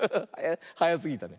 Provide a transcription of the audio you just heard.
はやすぎたね。